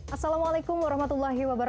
assalamualaikum wr wb